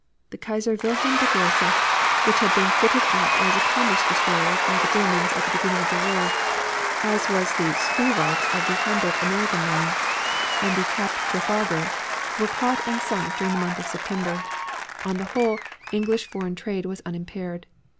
The Kaiser Wilhelm der Grosse, which had been fitted up as a commerce destroyer by the Germans at the beginning of the war, as was the Spreewald of the Hamburg American Line, and the Cap Trafalgar, were caught and sunk during the month of September. On the whole, English foreign trade was unimpaired.